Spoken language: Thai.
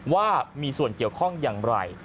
ว่ามีส่วนเกี่ยวข้องอย่างไร